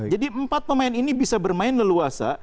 jadi empat pemain ini bisa bermain leluasa